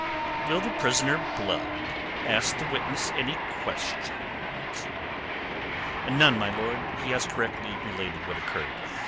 "Will the prisoner Blood ask the witness any questions?" "None, my lord. He has correctly related what occurred."